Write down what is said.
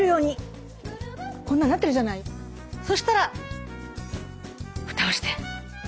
そしたら蓋をして。